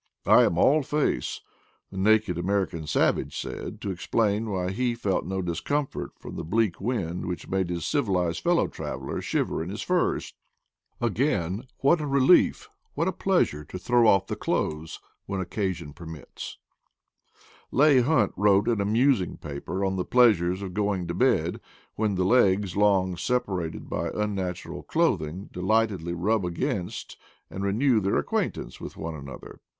"I am all face," the naked American savage said, to explain why he felt no discomfort from the bleak wind which made his civilized fellow traveler shiver in his furs. Again, what a relief, what a pleasure, to throw off the clothes when occasion THE PLAINS OF PATAGONIA 219 permits. Leigh Hunt wrote an amusing paper on the pleasures of going to bed, when the legs, long separated by unnatural clothing, delightedly rub against and renew their acquaintance with one another.